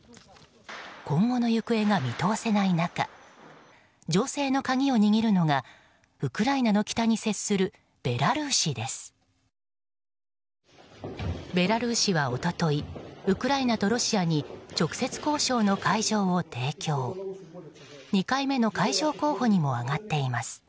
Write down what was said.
今後の行方が見通せない中情勢の鍵を握るのがウクライナの北に接するベラルーシです。